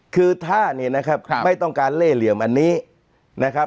คือถ้าเนี่ยนะครับไม่ต้องการเล่เหลี่ยมอันนี้นะครับ